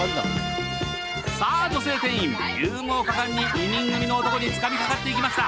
さあ、女性店員、勇猛果敢に２人組の男につかみかかっていきました。